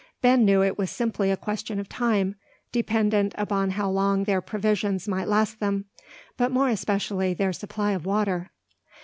Ben knew it was simply a question of time, dependent upon how long their provisions might last them, but more especially their supply of water.